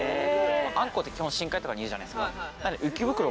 アンコウって基本深海とかにいるじゃないですか。